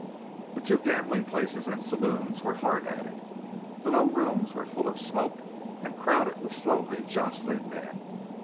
The two gambling places and saloons were hard at it. The low rooms were full of smoke, and crowded with slowly jostling men.